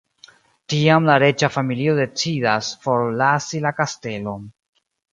Tiam la reĝa familio decidas forlasi la kastelon...